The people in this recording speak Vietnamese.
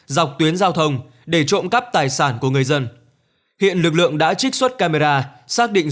dọc tuyến giao thông để trộm cắp tài sản của người dân hiện lực lượng đã trích xuất camera xác định